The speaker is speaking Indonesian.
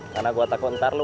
karena gue takut ntar lo